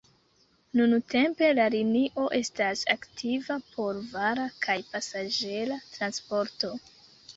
Nuntempe la linio estas aktiva por vara kaj pasaĝera transporto.